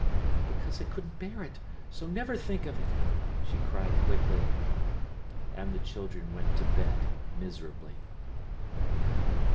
"Because I couldn't bear it, so never think of it," she cried quickly. And the children went to bed, miserably.